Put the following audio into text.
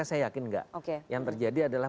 saya yakin enggak yang terjadi adalah